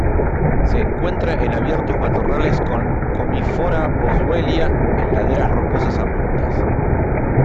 Se encuentra en abiertos matorrales con "Commiphora-Boswellia" en laderas rocosas abruptas.